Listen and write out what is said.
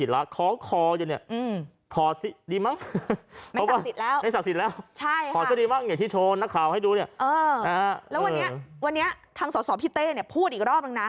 แล้ววันนี้ทางส่อพี่เต้พูดอีกรอบหนึ่งนะ